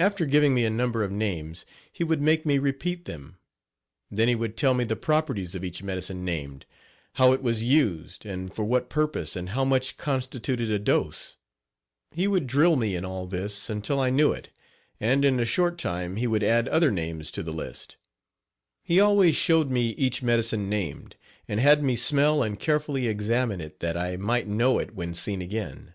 After giving me a number of names he would make me repeat them. Then he would tell me the properties of each medicine named, how it was used and for what purpose and how much constituted a dose. He would drill me Page 22 in all this until I knew it and, in a short time, he would add other names to the list. He always showed me each medicine named and had me smell and carefully examine it that I might know it when seen again.